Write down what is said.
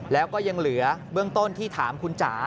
แล้วก็ยังเหลือเบื้องต้นที่ถามคุณจ๋า